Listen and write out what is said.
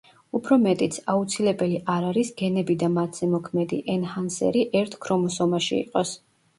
უფრო მეტიც, აუცილებელი არ არის, გენები და მათზე მოქმედი ენჰანსერი ერთ ქრომოსომაში იყოს.